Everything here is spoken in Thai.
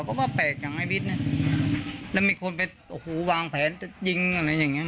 ก็ว่าแปลกอย่างไอ้วิทย์นะแล้วมีคนไปโอ้โหวางแผนจะยิงอะไรอย่างเงี้